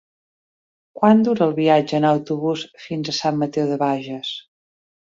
Quant dura el viatge en autobús fins a Sant Mateu de Bages?